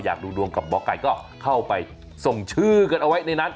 ดูดวงกับหมอไก่ก็เข้าไปส่งชื่อกันเอาไว้ในนั้น